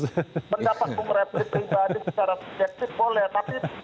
pendapat bu ngerepli pribadi secara subjektif boleh tapi faktanya tidak seperti itu